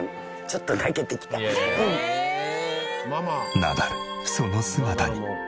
ナダルその姿に。